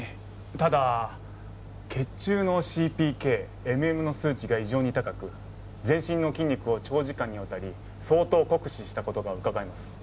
ただ血中のＣＰＫＭＭの数値が異常に高く全身の筋肉を長時間にわたり相当酷使した事がうかがえます。